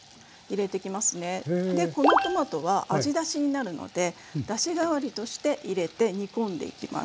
でこのトマトは味だしになるのでだし代わりとして入れて煮込んでいきます。